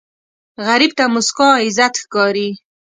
غریب ته موسکا عزت ښکاري